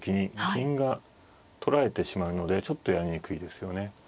銀が取られてしまうのでちょっとやりにくいですよね。